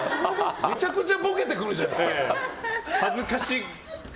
めちゃくちゃボケてくるじゃないですか。